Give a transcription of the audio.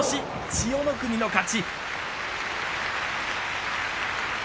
千代の国の勝ち。